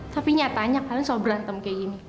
tapi nyatanya kalian soal berantem kayak gini